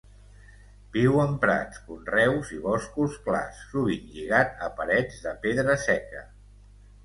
Viu en prats, conreus i boscos clars, sovint lligat a parets de pedra seca.